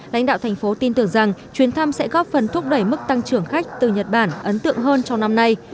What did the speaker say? lãnh đạo thành phố tin tưởng rằng chuyến thăm sẽ góp phần thúc đẩy mức tăng trưởng khách từ nhật bản ấn tượng hơn trong năm nay